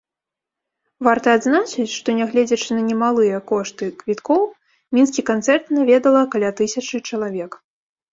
Варта адзначыць, што нягледзячы на немалыя кошты квіткоў, мінскі канцэрт наведала каля тысячы чалавек.